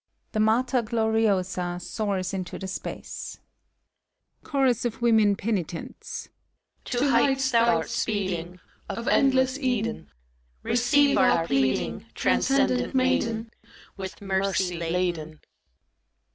(The Mater Gloriosa soars into the space.) CHORUS OF WOMEN PENITENTS. To heights thou 'rt speeding Of endless Eden: Receive our pleading, Transcendent Maiden, With Mercy laden!